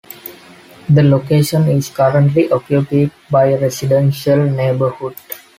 The location is currently occupied by a residential neighborhood.